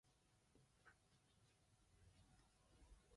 To the west of their country stretches the Pacific Ocean.